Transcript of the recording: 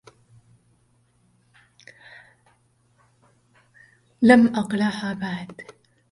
لم أقلها بعد